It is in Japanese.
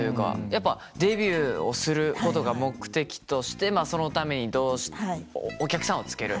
やっぱデビューをすることが目的としてまあそのためにお客さんをつける。